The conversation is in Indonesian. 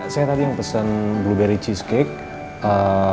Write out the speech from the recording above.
saya tadi yang pesen blueberry cheesecake